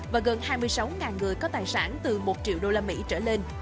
và gần hai mươi sáu người có tài sản từ một triệu đô la mỹ trở lên